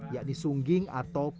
yaitu sungging atau pulut